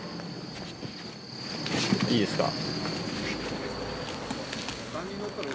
いいですか。